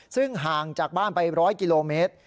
ซึ่งห่างจากบ้านไป๑๐๐กิโลเมตร